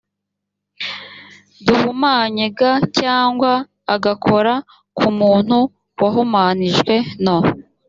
duhumanye g cyangwa agakora ku muntu wahumanyijwe no